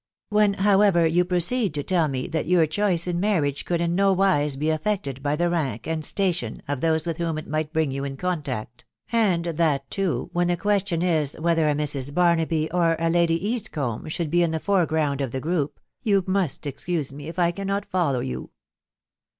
... When, however, you proceed to tell me that your choice in marriage eould in nowise %e affected by the rank and station of those with whom ft might bring you in contact, and that too, when the queafion is, whether a Mrs. Barnaby, or a Lady Eastcombe, should be in ihe foreground of the group, you must excuse fne if I tanaat aollow you."